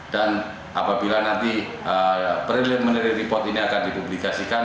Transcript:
dan apabila nanti preliminary report ini akan dipublikasikan